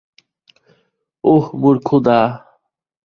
ওহ মোর খোদা!